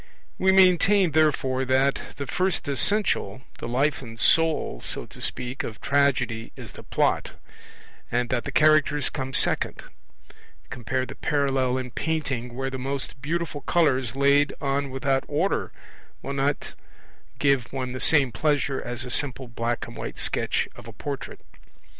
We maintain, therefore, that the first essential, the life and soul, so to speak, of Tragedy is the Plot; and that the Characters come second compare the parallel in painting, where the most beautiful colours laid on without order will not give one the same pleasure as a simple black and white sketch of a portrait.